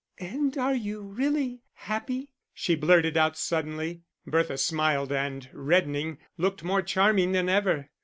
"And are you really happy?" she blurted out suddenly. Bertha smiled, and reddening, looked more charming than ever.